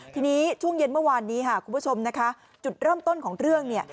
ทีนี้ช่วงเย็นเมื่อวานนี้ค่ะคุณผู้ชมนะคะจุดเริ่มต้นของเรื่องเนี่ย